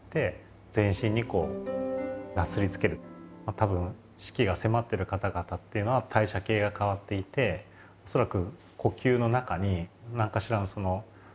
多分死期が迫ってる方々っていうのは代謝系が変わっていて恐らく呼吸の中に何かしらの成分が出てくるんだと思います。